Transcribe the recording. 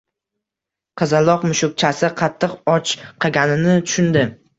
Qizaloq mushukchasi qattiq ochqaganini tushundi